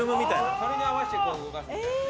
それに合わせて動かす。